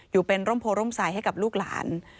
อยู่เป็นร่มโพร่มใสให้กับลูกหลาน